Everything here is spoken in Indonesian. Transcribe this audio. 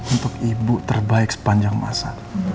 untuk ibu terbaik sepanjang masa